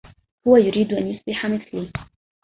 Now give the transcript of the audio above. هو يريد أن يصبح مثلي.